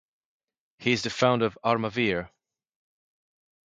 He is the founder of Armavir.